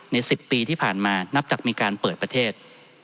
๑๐ปีที่ผ่านมานับจากมีการเปิดประเทศ